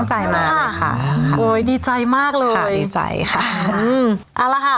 ใจมาเลยค่ะโอ้ยดีใจมากเลยดีใจค่ะอืมเอาละค่ะ